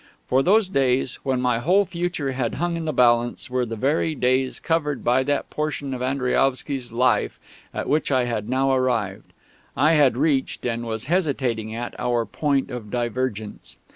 For those days, when my whole future had hung in the balance, were the very days covered by that portion of Andriaovsky's life at which I had now arrived. I had reached, and was hesitating at, our point of divergence.